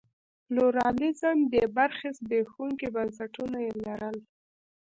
پلورالېزم بې برخې زبېښونکي بنسټونه یې لرل.